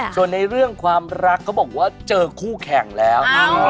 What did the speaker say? ส่วนในเรื่องความรักเขาบอกว่าเจอคู่แข่งแล้ว